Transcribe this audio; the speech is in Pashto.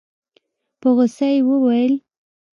په غوسه يې وويل.